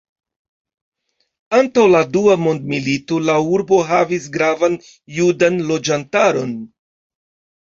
Antaŭ la Dua mondmilito, la urbo havis gravan judan loĝantaron.